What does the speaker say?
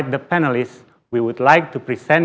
kepada para penonton yang sudah berada di sini